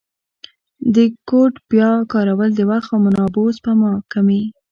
د کوډ بیا کارول د وخت او منابعو سپما کوي.